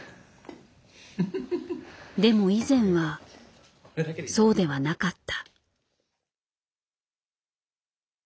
でも以前はそうではなかった。